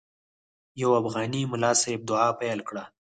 یو افغاني ملا صاحب دعا پیل کړه.